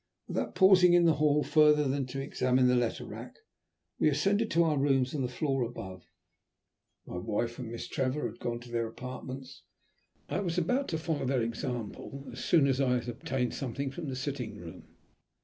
Without pausing in the hall further than to examine the letter rack, we ascended to our rooms on the floor above. My wife and Miss Trevor had gone to their apartments, and I was about to follow their example as soon as I had obtained something from the sitting room.